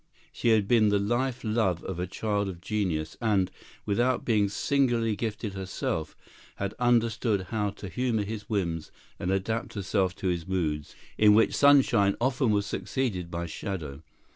She had been the life love of a child of genius and, without being singularly gifted herself, had understood how to humor his whims and adapt herself to his moods in which sunshine often was succeeded by shadow.